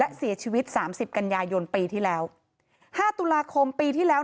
และเสียชีวิตสามสิบกันยายนปีที่แล้วห้าตุลาคมปีที่แล้ว